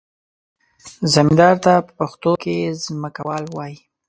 زمیندار ته په پښتو کې ځمکوال وایي.